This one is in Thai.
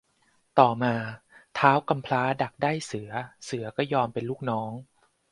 ต่อมาท้าวกำพร้าดักได้เสือ เสือก็ยอมเป็นลูกน้อง